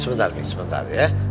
sebentar mi sebentar ya